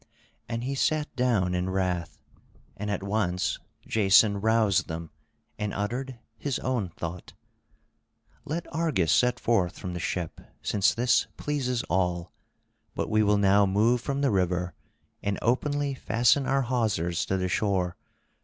And he sat down in wrath; and at once Jason roused them and uttered his own thought: "Let Argus set forth from the ship, since this pleases all; but we will now move from the river and openly fasten our hawsers to the shore.